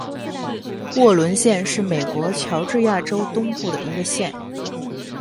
沃伦县是美国乔治亚州东部的一个县。